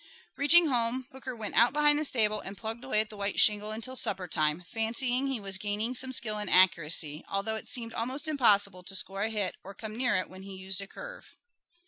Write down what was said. Reaching home, Hooker went out behind the stable and plugged away at the white shingle until supper time, fancying he was gaining some skill in accuracy, although it seemed almost impossible to score a hit or come near it when he used a curve.